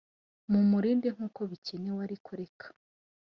mumurinde nkuko bikenewe, ariko reka